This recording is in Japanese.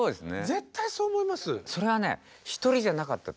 絶対そう思います。